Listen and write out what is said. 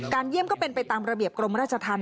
เยี่ยมก็เป็นไปตามระเบียบกรมราชธรรม